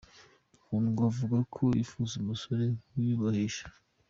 Kundwa avuga ko yifuza umusore wiyubahisha.